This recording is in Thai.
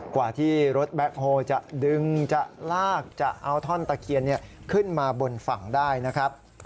กว่าที่รถแบ็คโฮลจะดึงจะลากจะเอาท่อนตะเคียนขึ้นมาบนฝั่งได้นะครับ